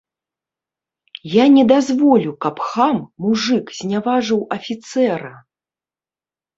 Я не дазволю, каб хам, мужык зняважыў афіцэра!